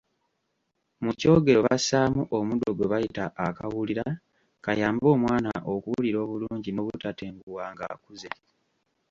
Mu kyogero bassaamu omuddo gwe bayita akawulira kayambe omwana okuwulira obulungi n'obutatenguwa ng'akuze.